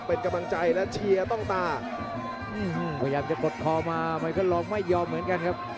เป็นกำลังใจและเชียร์ต้องตาพยายามจะกดคอมาไมเคิลลองไม่ยอมเหมือนกันครับ